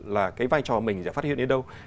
là cái vai trò mình sẽ phát hiện đến đâu